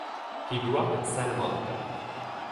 He grew up in Santa Monica.